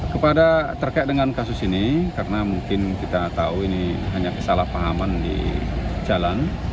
kepada terkait dengan kasus ini karena mungkin kita tahu ini hanya kesalahpahaman di jalan